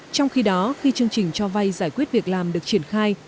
trong khi đó khi chương trình cho vay giải quyết việc làm được triển khai